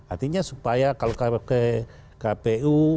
artinya supaya kalau ke kpu